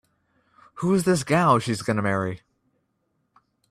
Who's this gal she's gonna marry?